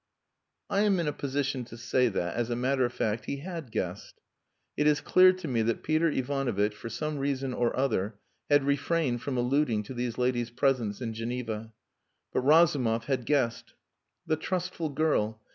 I am in a position to say that, as a matter of fact, he had guessed. It is clear to me that Peter Ivanovitch, for some reason or other, had refrained from alluding to these ladies' presence in Geneva. But Razumov had guessed. The trustful girl!